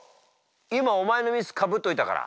今お前のミスかぶっといたから。